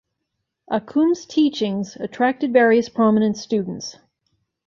Accum's teachings attracted various prominent students.